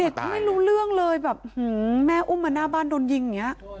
ไม่รู้เรื่องเลยแบบแม่อุ้มมาหน้าบ้านโดนยิงอย่างนี้